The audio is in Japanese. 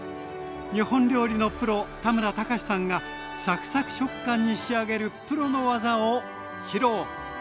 日本料理のプロ田村隆さんがサクサク食感に仕上げるプロの技を披露。